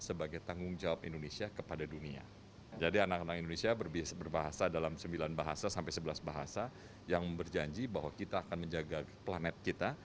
sebagai tanggung jawab indonesia kepada dunia jadi anak anak indonesia berbahasa dalam sembilan bahasa sampai sebelas bahasa yang berjanji bahwa kita akan menjaga planet kita